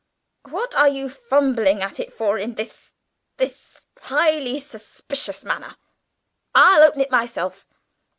"What are you fumbling at it for in this this highly suspicious manner? I'll open it myself."